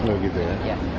oh begitu ya